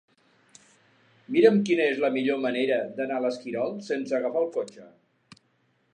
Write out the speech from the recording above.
Mira'm quina és la millor manera d'anar a l'Esquirol sense agafar el cotxe.